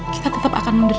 kita tetap akan menderita